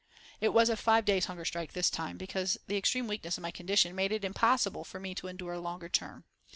It was a five days' hunger strike this time, because the extreme weakness of my condition made it impossible for me to endure a longer term.